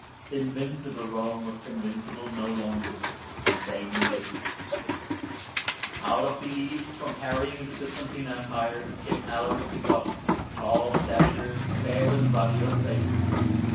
'' Invincible " Rome was invincible no longer, and they knew it. ST. BENEDICT 15 Out of the East, from harrying the B^^zan tine Empire, came Alaric the Goth, tall of stature, fair and ruddy of face.